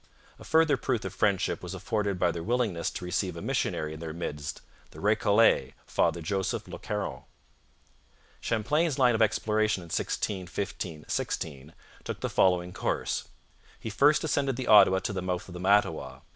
A further proof of friendship was afforded by their willingness to receive a missionary in their midst the Recollet, Father Joseph Le Caron. Champlain's line of exploration in 1615 16 took the following course. He first ascended the Ottawa to the mouth of the Mattawa.